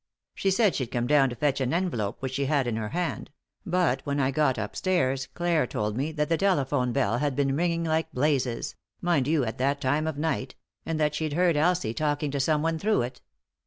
She said she'd come down to fetch an envelope which she had in her hand ; but when I got upstairs Clare told me that the telephone bell had been ringing like blazes — mind you, at that time of night I — and that she'd heard Elsie talking to someone through it.